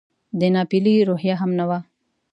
د ناپیېلې روحیه هم نه وه.